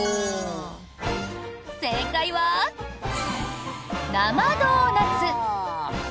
正解は、生ドーナツ。